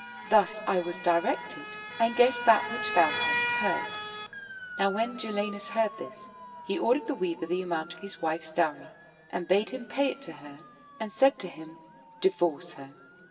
Thus I was directed and guessed that which thou hast heard." Now when Jalinus heard this, he ordered the Weaver the amount of his 48 Viiakha wife's dowry and bade him pay it to her and said to him, " Divorce her."